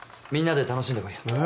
みんなで楽しんでこいよ。